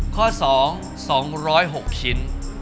ข้อสอง๒๐๖ชิ้น